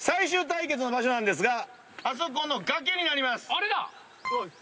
あれだ！